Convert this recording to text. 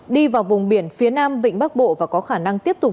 đi vào vùng biển phía nam vịnh bắc bộ và có khả năng tiếp tục